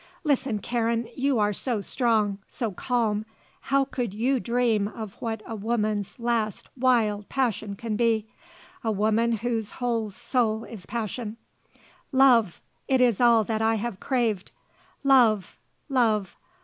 Listen, Karen, you are so strong, so calm, how could you dream of what a woman's last wild passion can be, a woman whose whole soul is passion? Love! it is all that I have craved. Love! love!